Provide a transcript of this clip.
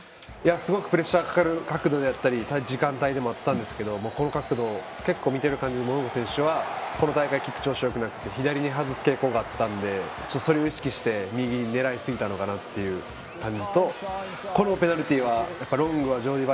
すごくプレッシャーがかかる角度だったり時間帯だったんですけどこの角度、結構見ている感じモウンガ選手はこの大会、キック調子がよくなくて左に外す傾向があったのでそれを意識して右を狙いすぎたのかなという感じとこれもペナルティーが、ロングをジョーディー・